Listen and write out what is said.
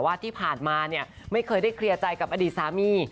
ว่าที่ผ่านมาเนี่ยไม่เคยได้เคลียร์ใจกับอดีตสามี